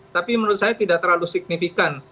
tapi menurut saya tidak terlalu signifikan